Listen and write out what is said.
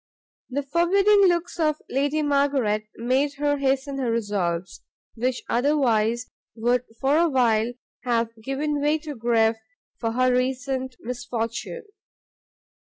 The forbidding looks of Lady Margaret made her hasten her resolves, which otherwise would for a while have given way to grief for her recent misfortune.